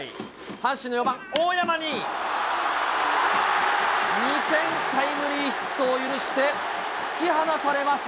阪神の４番大山に、２点タイムリーヒットを許して、突き放されます。